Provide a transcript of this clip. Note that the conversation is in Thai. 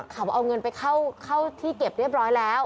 เขาเอาเงินไปเข้าที่เก็บเรียบร้อยแล้ว